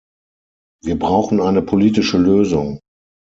Wir brauchen eine politische Lösung.